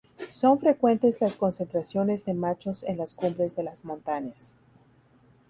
Son frecuentes las concentraciones de machos en las cumbres de las montañas.